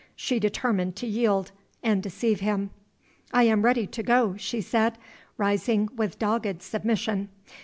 She determined to yield and deceive him. "I am ready to go," she said, rising with dogged submission.